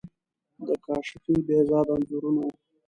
د کاشفی، بهزاد انځورونه وو.